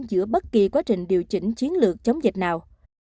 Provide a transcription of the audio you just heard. giữa bất kỳ quá trình điều chỉnh chiến lược chống dịch nào